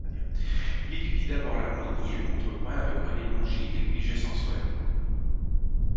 Il étudie d'abord l'harmonie et le contrepoint avec Renée Longy et Louis Gessensway.